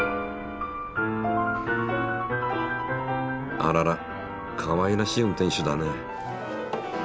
あららかわいらしい運転手だね。